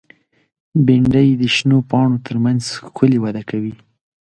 بېنډۍ د شنو پاڼو تر منځ ښکلي وده کوي